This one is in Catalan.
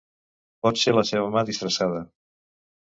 Pot ser la seva mà disfressada.